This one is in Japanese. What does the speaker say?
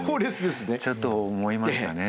ちょっと思いましたね